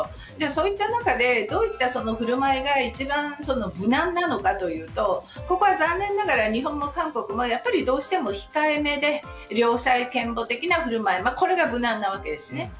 そういった中で、どういった振る舞いが一番無難なのかというとここは残念ながら日本も韓国もどうしても控えめで良妻賢母的な振る舞いこれが無難なわけです。